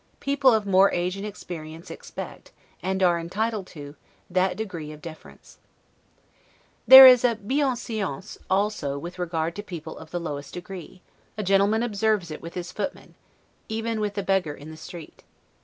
People of more age and experience expect, and are entitled to, that degree of deference. There is a 'bienseance' also with regard to people of the lowest degree: a gentleman observes it with his footman even with the beggar in the street.